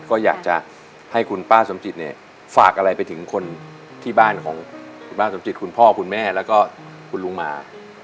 ก็อยากจะให้คุณป้าสมจิตเนี่ยฝากอะไรไปถึงคนที่บ้านของคุณป้าสมจิตคุณพ่อคุณแม่แล้วก็คุณลุงมา